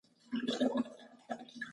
زه ښار ته ځم